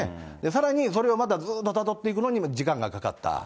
さらにそれをまたずっとたどっていくのに時間がかかった。